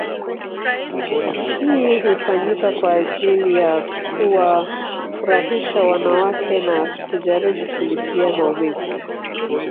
Hii hufanyika kwa ajili ya kuwafurahisha wanawake na kujaribu kulipia maumivu